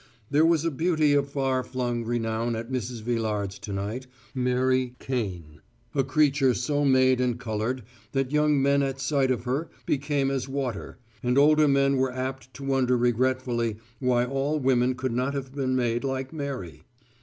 There was a Beauty of far flung renown at Mrs. Villard's to night: Mary Kane, a creature so made and coloured that young men at sight of her became as water and older men were apt to wonder regretfully why all women could not have been made like Mary.